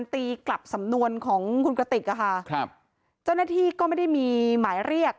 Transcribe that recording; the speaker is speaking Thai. ตีกลับสำนวนของคุณกระติกอะค่ะครับเจ้าหน้าที่ก็ไม่ได้มีหมายเรียก